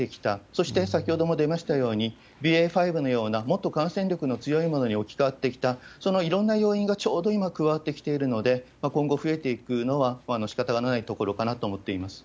そして先ほども出ましたように、ＢＡ．５のようなもっと感染力の強いものに置き換わってきた、そのいろんな要因がちょうど今、加わってきているので、今後、増えていくのはしかたがないところかなと思っています。